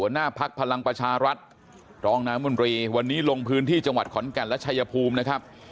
พักพลังประชารัฐรองน้ำมนตรีวันนี้ลงพื้นที่จังหวัดขอนแก่นและชายภูมินะครับ